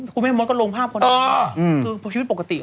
คุณแม่มดก็ลงภาพคนนี้คือชีวิตปกติ